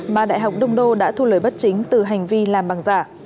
mà đại học đông đô đã thu lời bất chính từ hành vi làm bằng giả